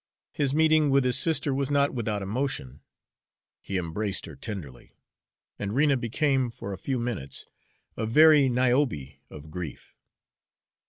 His meeting with his sister was not without emotion: he embraced her tenderly, and Rena became for a few minutes a very Niobe of grief.